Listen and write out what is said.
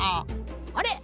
あれ？